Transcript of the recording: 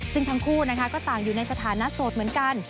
ซึ่งทั้งคู่นะคะก็ต่างอยู่ในสถานะโสดเหมือนกัน